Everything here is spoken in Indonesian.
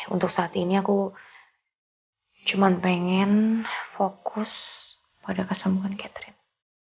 untuk saat ini aku cuma pengen fokus pada kesembuhan catherine